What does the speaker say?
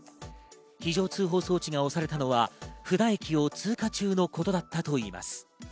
非常通報装置が押されたのは布田駅を通過中のことだったといいます。